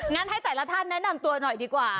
งั้นให้แต่ละท่านแนะนำตัวหน่อยดีกว่า